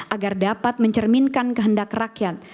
agar dapat mencerminkan kehendak rakyat